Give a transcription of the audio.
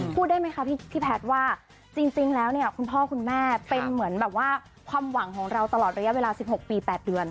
พูดได้ไหมคะพี่แพทย์ว่าจริงแล้วเนี่ยคุณพ่อคุณแม่เป็นเหมือนแบบว่าความหวังของเราตลอดระยะเวลา๑๖ปี๘เดือน